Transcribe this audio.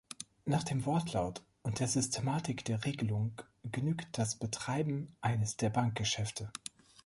Nach dem Wortlaut und der Systematik der Regelung genügt das Betreiben eines der Bankgeschäfte.